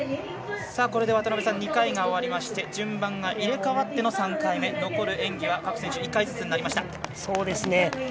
２回が終わりまして順番が入れ代わっての３回目、残る演技は各選手、１回ずつとなりました。